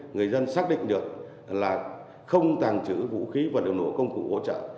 người dân xác định được là không tàn trữ vũ khí vật liệu nộp công cụ hỗ trợ